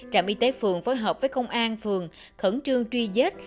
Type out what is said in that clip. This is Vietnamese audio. trạm y tế phường phối hợp với công an phường khẩn trương truy vết